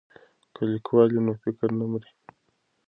که لیکوال وي نو فکر نه مري.